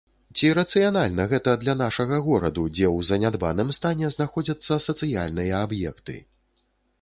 Ці рацыянальна гэта для нашага гораду, дзе ў занядбаным стане знаходзяцца сацыяльныя аб'екты.